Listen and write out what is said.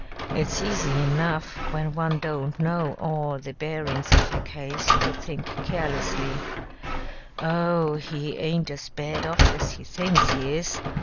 It's easy enough when one don't know all the bearin's of a case, to think carelessly, 'Oh, he aint as bad off as he thinks he is.